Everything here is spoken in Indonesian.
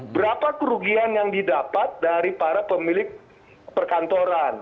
berapa kerugian yang didapat dari para pemilik perkantoran